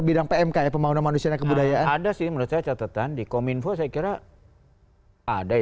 bidang pmk pemanfaat manusia kebudayaan ada sih menurut catatan di kominfo saya kira ada